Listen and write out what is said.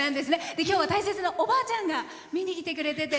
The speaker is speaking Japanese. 今日は大切なおばあちゃんが見に来てくれてて。